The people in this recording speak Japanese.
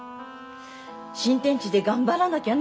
新天地で頑張らなきゃね。